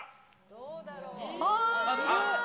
どうだろう。